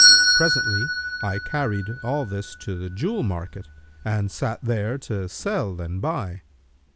Presently I carried all this to the jewel market and sat there to sell and buy.